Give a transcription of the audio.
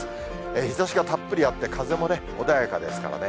日ざしがたっぷりあって、風も穏やかですからね。